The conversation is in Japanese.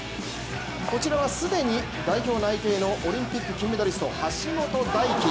こちらは既に代表内定のオリンピック金メダリスト橋本大輝。